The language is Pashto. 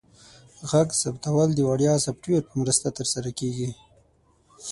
غږ ثبتول د وړیا سافټویر په مرسته ترسره کیږي.